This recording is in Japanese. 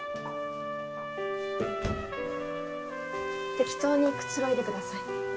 適当にくつろいでください。